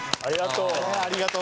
ありがとう。